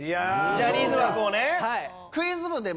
ジャニーズ枠をね。